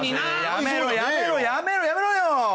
やめろやめろやめろよ！